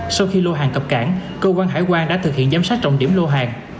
sau khi lô hàng cập cảng cơ quan hải quan đã thực hiện giám sát trọng điểm lô hàng